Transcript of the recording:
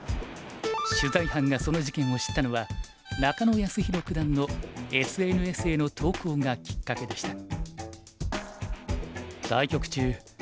取材班がその事件を知ったのは中野泰宏九段のＳＮＳへの投稿がきっかけでした。